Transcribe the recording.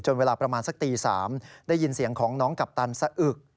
เวลาประมาณสักตี๓ได้ยินเสียงของน้องกัปตันสะอึก